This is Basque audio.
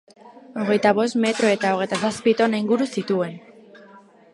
Hogeita bost metro eta hogeita zazpi tona inguru zituen.